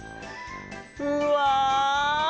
うわ！